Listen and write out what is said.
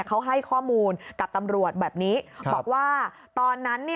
เขาให้ข้อมูลกับตำรวจแบบนี้บอกว่าตอนนั้น